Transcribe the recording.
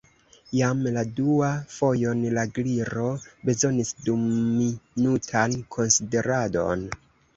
Jam la duan fojon la Gliro bezonis duminutan konsideradon.